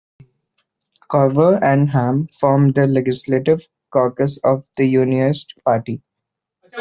Collver and Ham formed the legislative caucus of the Unionest Party.